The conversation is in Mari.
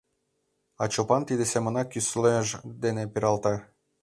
А Чопан тиде семымак кӱслеж дене пералта.